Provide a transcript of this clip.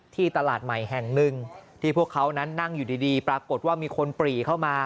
ตลาดใหม่แห่งหนึ่งที่พวกเขานั้นนั่งอยู่ดีปรากฏว่ามีคนปรีเข้ามา